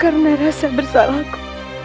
karena rasa bersalahku